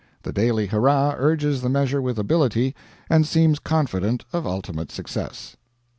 The Daily Hurrah urges the measure with ability, and seems confident of ultimate success.